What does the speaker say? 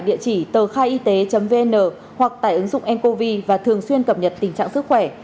địa chỉ tờkhaiyt vn hoặc tại ứng dụng ncovi và thường xuyên cập nhật tình trạng sức khỏe